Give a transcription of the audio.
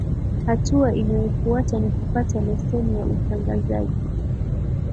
hatua inayofuata ni kupata leseni ya utangazaji